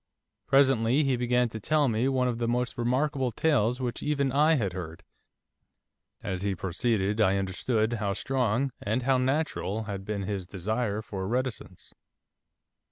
Presently he began to tell me one of the most remarkable tales which even I had heard. As he proceeded I understood how strong, and how natural, had been his desire for reticence.